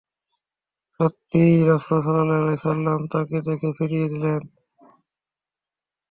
সত্যই রাসূল সাল্লাল্লাহু আলাইহি ওয়াসাল্লাম তাকে দেখে ফিরিয়ে দিলেন।